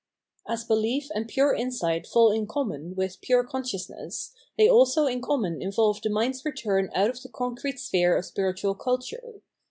As belief and pure insight fall in co mm on within pure consciousness, they also in common involve the mind^s return out of the concrete sphere of spiritual culture.